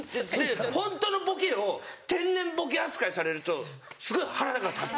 ホントのボケを天然ボケ扱いされるとすごい腹が立つ。